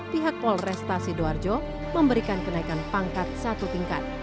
pihak polresta sidoarjo memberikan kenaikan pangkat satu tingkat